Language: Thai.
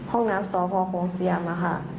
ห้องน้ำสพโขงเจียมค่ะ